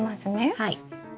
はい。